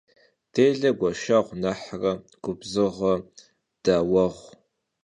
Dêle gueşşeğu nexhre gubzığe daueğu.